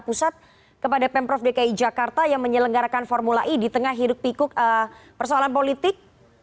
pusat kepada pemprov dki jakarta yang menyelenggarakan formula e di tengah hiruk pikuk persoalan politik